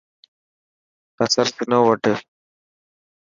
بصر سنو وڌ.